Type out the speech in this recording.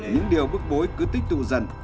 những điều bức bối cứ tích tụ dần